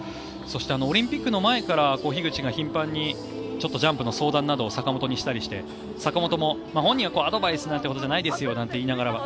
そしてオリンピックの前から樋口が頻繁にジャンプの相談を坂本にしたりして坂本も本人はアドバイスなんてものじゃないですよなんて